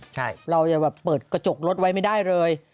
ใช่เราจะแบบเปิดกระจกรถไว้ไม่ได้เลย